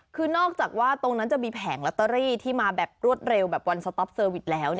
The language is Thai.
คือนอกจากว่าตรงนั้นจะมีแผงลอตเตอรี่ที่มาแบบรวดเร็วแบบวันสต๊อปเซอร์วิสแล้ว